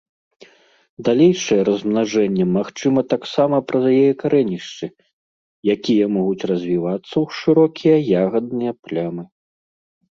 Далейшае размнажэнне магчыма таксама праз яе карэнішчы, якія могуць развівацца ў шырокія ягадныя плямы.